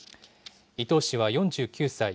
伊藤氏は４９歳。